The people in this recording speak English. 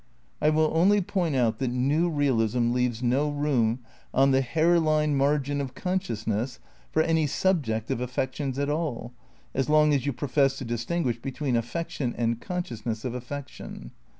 I will only point out that new realism leaves no room on the hair line margin of consciousness for any sub jective affections at all, as long as you profess to distinguish between affection and consciousness of af fection.